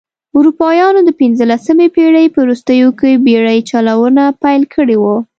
اروپایانو د پنځلسمې پېړۍ په وروستیو کې بېړۍ چلونه پیل کړې وه.